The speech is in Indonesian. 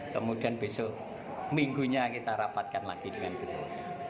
kemudian besok minggunya kita rapatkan lagi dengan kepala agung